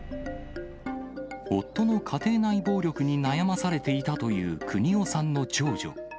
夫の家庭内暴力に悩まされていたという邦雄さんの長女。